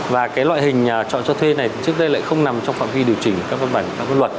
và cái loại hình trọ cho thuê này trước đây lại không nằm trong phạm vi điều chỉnh các văn bản các văn luật